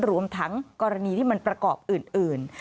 รวมทั้งกรณีที่มันประกอบอื่น